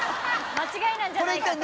間違いなんじゃないかと。